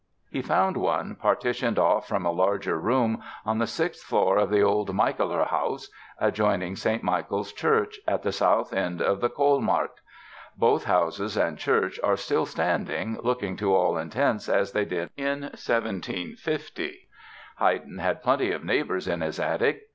He found one, partitioned off from a larger room, on the sixth floor of the old Michaelerhaus, adjoining St. Michael's Church, at the south end of the Kohlmarkt. Both house and church are still standing, looking to all intents as they did in 1750. Haydn had plenty of neighbors in his attic.